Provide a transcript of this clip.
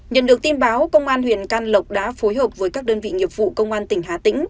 nhận được tin báo công an huyện can lộc đã phối hợp với các đơn vị nghiệp vụ công an tỉnh hà tĩnh